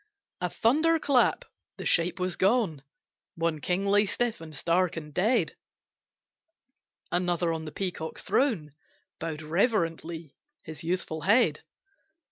A thunder clap the shape was gone! One king lay stiff, and stark, and dead, Another on the peacock throne Bowed reverently his youthful head.